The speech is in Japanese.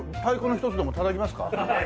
太鼓の一つでもたたきますか？